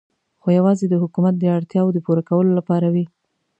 خو یوازې د حکومت د اړتیاوو د پوره کولو لپاره وې.